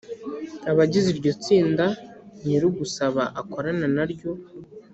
Abagize iryo tsinda nyir’ugusaba akorana na ryo